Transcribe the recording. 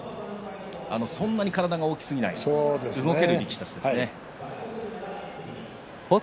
そんなに体が大きすぎない動ける力士たちです。